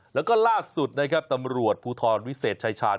แล้วก็ล่าสุดนะครับตำรวจภูทรวิเศษชายชาญ